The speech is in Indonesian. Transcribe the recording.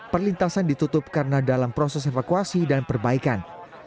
perlintasan ditutup karena dalam proses evakuasi dan perbaikan